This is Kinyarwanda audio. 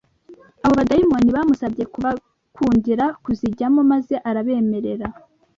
abo badayimoni bamusabye kubakundira kuzijyamo maze arabemerera